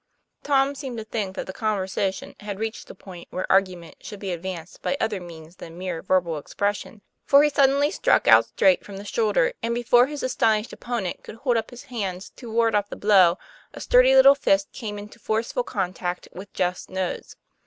Tom seemed to think that the conversation had reached a point where argument should be advanced by other means than mere verbal expression, for he suddenly struck out straight from the shoulder, and before his astonished opponent could hold up his bands to ward off the blow a sturdy little fist came into forceful contact with Jeff's nose.